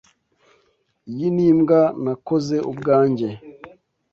Iyi ni imbwa nakoze ubwanjye.